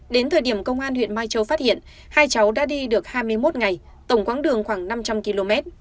đến thời điểm công an huyện mai châu phát hiện hai cháu đã đi được hai mươi một ngày tổng quãng đường khoảng năm trăm linh km